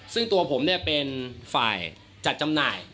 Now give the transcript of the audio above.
ซึ่งตัวผมเป็นฝ่ายจัดจำหน่าย